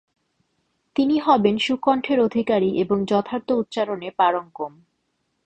তিনি হবেন সুকণ্ঠের অধিকারী এবং যথার্থ উচ্চারণে পারঙ্গম।